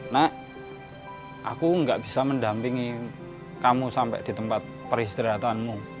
nak aku gak bisa mendampingi kamu sampai di tempat peristirahatanmu